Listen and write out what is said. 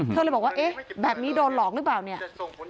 เธอเลยบอกว่าแบบนี้โดนหลอกหรือเปล่า